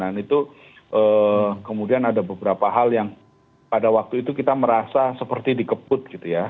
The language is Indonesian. dan itu kemudian ada beberapa hal yang pada waktu itu kita merasa seperti dikeput gitu ya